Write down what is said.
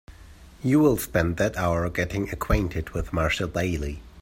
You will spend that hour getting acquainted with Marshall Bailey.